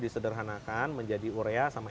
disederhanakan menjadi urea sama